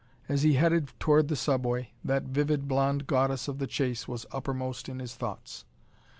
As he headed toward the subway, that vivid blond goddess of the chase was uppermost in his thoughts.